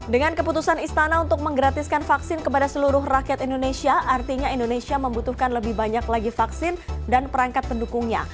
dengan keputusan istana untuk menggratiskan vaksin kepada seluruh rakyat indonesia artinya indonesia membutuhkan lebih banyak lagi vaksin dan perangkat pendukungnya